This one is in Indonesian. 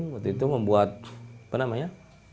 waktu itu membuat apa namanya